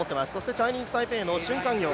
チャイニーズタイペイの俊瀚楊。